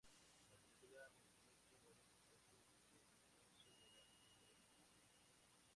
La película nos muestra varios aspectos del negocio de la prostitución.